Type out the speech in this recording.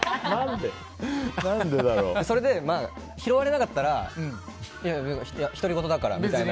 それで拾われなかったら独り言だからみたいな。